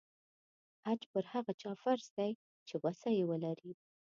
حج پر هغه چا فرض دی چې وسه یې ولري.